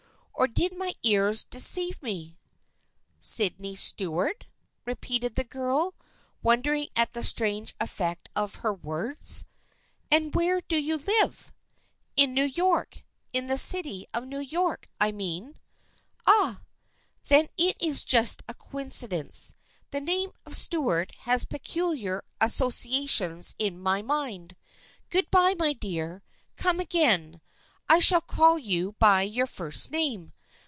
Or did my ears de ceive me ?"" Sydney Stuart, " repeated the girl, wondering at the strange effect of her words. " And where do you live ?"" In New York. In the city of New York, I mean." " Ah ! Then it is just a coincidence. The name of Stuart has peculiar associations in my mind. Good bye, my dear. Come again. I shall call you by your first name.